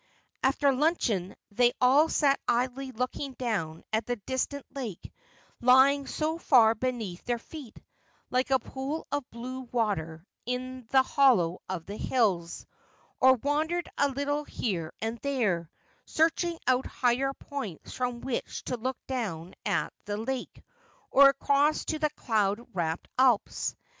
After luncheon they all sat idly looking down at the distant lake, lying so far beneath their feet, like a pool of blue water in the hollow of the hills, or wandered a little here and there, searching out higher points from which to look down at the lake, or across to the cloud wrapped Alps.